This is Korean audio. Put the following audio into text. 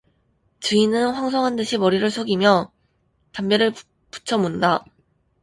주인은 황송한 듯이 머리를 숙이며 담배를 붙여 문다.